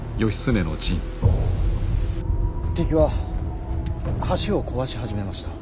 敵は橋を壊し始めました。